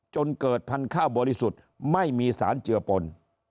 จนเกิดพันธุ์ข้าวบริสุทธิ์ไม่มีสารเจือปน